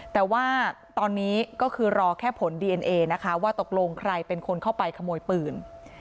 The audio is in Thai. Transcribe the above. แต่ว่าตอนนี้ก็คือรอแค่ผลดีเอ็นเอนะคะว่าตกลงใครเป็นคนเข้าไปขโมยปืน